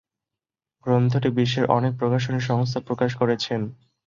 গ্রন্থটি বিশ্বের অনেক প্রকাশনী সংস্থা প্রকাশ করেছেন।